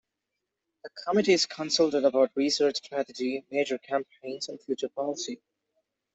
The committee is consulted about research, strategy, major campaigns and future policy.